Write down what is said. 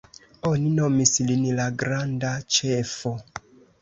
Oni nomis lin la »Granda Ĉefo«.